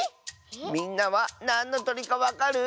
みんなはなんのとりかわかる？